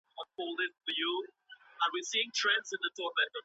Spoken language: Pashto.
د حقایقو بیانول د لیکلو له لاري خوندي وي.